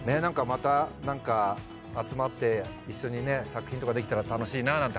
また何か集まって一緒に作品とかできたら楽しいななんて